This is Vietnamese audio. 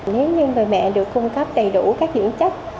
nếu như người mẹ được cung cấp đầy đủ các dưỡng chất